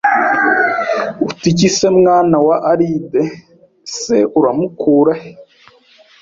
Uti iki mwana wa Alide se uramukura he